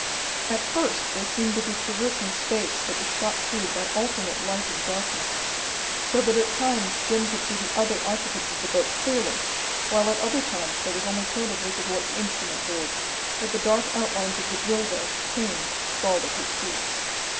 At first they seemed to be traversing space that was shot through by alternate light and darkness, so that at times Jim could see the other occupants of the boat clearly, while at other times there was only Tode visible at the instrument board, with the dark outlines of the Drilgo, Cain, sprawled at his feet.